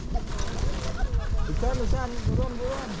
bukan bukan turun turun